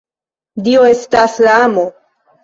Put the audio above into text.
Dio estas la Amo.